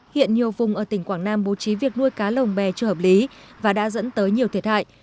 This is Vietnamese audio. hiện nhiều vùng ở tỉnh quảng nam bố trí việc nuôi cá lồng bè chưa hợp lý và đã dẫn tới nhiều thiệt hại